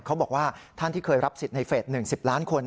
เขาบอกว่าท่านที่เคยรับสิทธิ์ในเฟส๑๐ล้านคน